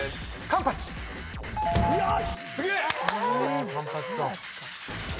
「カンパチ」か。